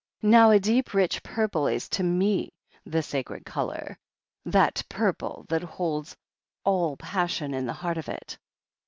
"Now a deep rich purple is to me the sacred colour — ^that purple that holds all passion in the heart of it.